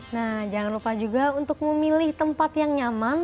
nah jangan lupa juga untuk memilih tempat yang nyaman